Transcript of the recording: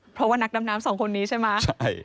เพราะว่านักดำน้ำสองคนนี้ใช่ไหม